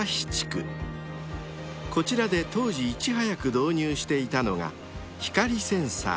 ［こちらで当時いち早く導入していたのが光センサー］